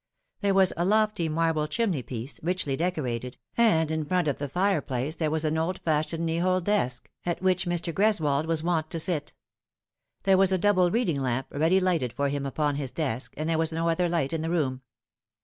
There was a lofty marble chimneypiece, richly decorated, and in front of the fireplace there was an old fashioned knee hole desk, at which Mr. Greswold was wont to sit. There was a double reading lamp ready lighted for him upon this desk, and there was no other light in the room.